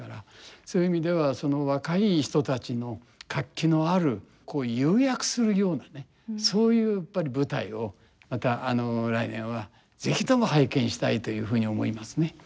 そういう意味ではその若い人たちの活気のあるこう勇躍するようなねそういうやっぱり舞台をまた来年は是非とも拝見したいというふうに思いますね。